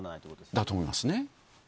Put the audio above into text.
だと思いますね。